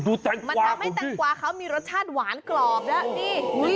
ดูแตงกวามันทำให้แตงกวาเขามีรสชาติหวานกรอบนะนี่นี่